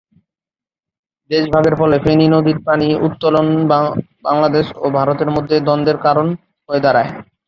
দেশভাগের ফলে ফেনী নদীর পানি উত্তোলন বাংলাদেশ ও ভারতের মধ্যে দ্বন্দ্বের কারণ হয়ে দাঁড়ায়।